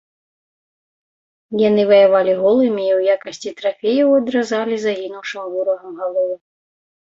Яны ваявалі голымі і ў якасці трафеяў адразалі загінуўшым ворагам галовы.